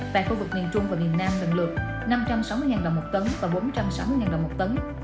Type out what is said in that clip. tại khu vực miền trung và miền nam lần lượt năm trăm sáu mươi đồng một tấn và bốn trăm sáu mươi đồng một tấn